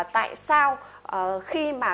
tại sao khi mà